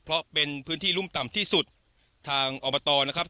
เพราะเป็นพื้นที่รุ่มต่ำที่สุดทางอบตนะครับ